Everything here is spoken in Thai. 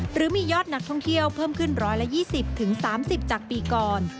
หรือมียอดนักท่องเที่ยวเพิ่มขึ้น๑๒๐๓๐จากปีก่อน